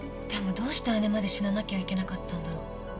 どうして姉まで死ななきゃいけなかったんだろう。